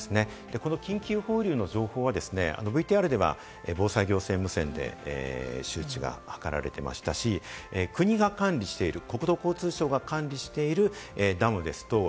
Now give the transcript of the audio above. この緊急放流の情報はＶＴＲでは防災行政無線で周知が図られていましたし、国が管理している、国土交通省が管理しているダムです。